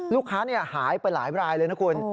ลูกค้าหายไปหลายรายเลยนะคุณ